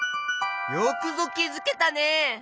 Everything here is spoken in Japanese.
よくぞきづけたね！